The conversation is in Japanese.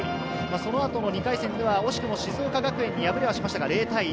その後の２回戦では、惜しくも静岡学園に敗れはしましたが、０対１。